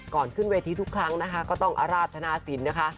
ก่อนขึ้นเวทีทุกครั้งนะคะก็ต้องอราธนาสินนะคะ